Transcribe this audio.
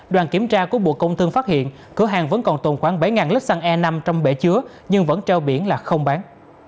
đoàn kiểm tra của bộ công thương phát hiện cửa hàng vẫn còn tồn khoảng bảy lít xăng e năm trong bể chứa nhưng vẫn treo biển là không bán